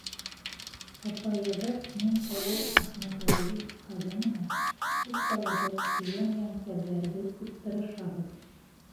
Апайығыҙ Миңһылыу Әхмәтғәли ҡыҙы менән өс балабыҙ, ейән-ейәнсәребеҙ тип тырышабыҙ.